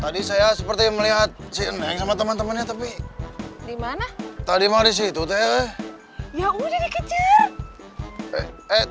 tadi saya seperti melihat cien sama teman temannya tapi dimana tadi malis itu teh ya udah kecil